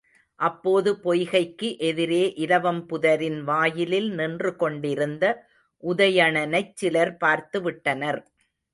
அப்போது பொய்கைக்கு எதிரே இலவம் புதரின் வாயிலில் நின்று கொண்டிருந்த உதயணனைச் சிலர் பார்த்து விட்டனர்.